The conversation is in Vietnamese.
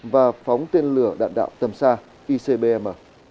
và phóng tên lửa đạn đạo tầm xa icbm